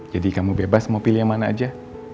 jadi kamu bebas mau pilih yang mana aja